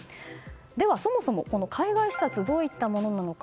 では、そもそも海外視察とはどんなものなのか。